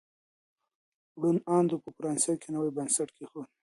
روڼ اندو په فرانسه کي نوی بنسټ کیښود.